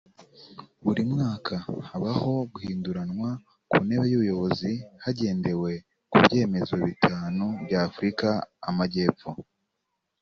buri mwaka habaho guhinduranwa ku ntebe y’ubuyobozi hagendewe ku byerekezo bitanu bya Afurika; Amajyepfo